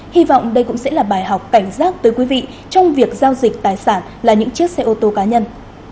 hy vọng đây cũng sẽ là bài học cảnh giác tới quý vị trong việc giao dịch tài sản là những chiếc xe ô tô cá nhân